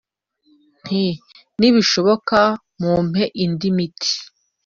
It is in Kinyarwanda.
Nti : Nibishoboka mumpe indi miti